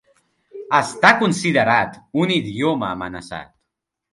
Està considerat un idioma amenaçat.